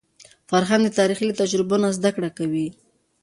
فرهنګ د تاریخ له تجربو نه زده کړه کوي.